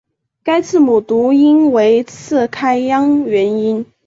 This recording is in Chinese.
该字母读音为次开央元音。